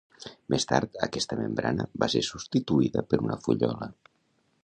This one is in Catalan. Més tard, aquesta membrana va ser substituïda per una fullola.